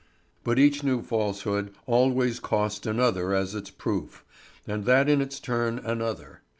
But each new falsehood always cost another as its proof, and that in its turn another.